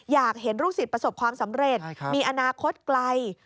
อยากเห็นลูกศิษย์ประสบความสำเร็จมีอนาคตไกล